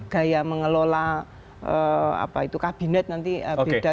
gaya mengelola kabinet nanti beda